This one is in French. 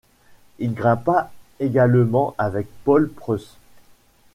Il grimpa également avec Paul Preuss.